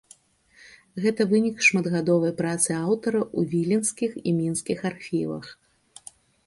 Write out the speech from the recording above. Гэта вынік шматгадовай працы аўтара ў віленскіх і мінскіх архівах.